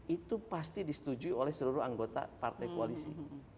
itu pasti disetujui oleh seluruh anggota partai koalisi